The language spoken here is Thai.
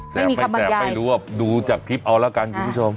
แสบไปรวบดูจากคลิปเอาละกันคุณผู้ชม